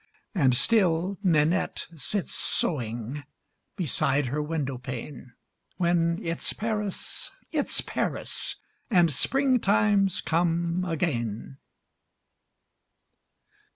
And still Ninette sits sewing Beside her window pane, When it's Paris, it's Paris, And spring time's come again.